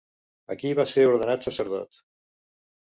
Aquí va ser ordenat sacerdot.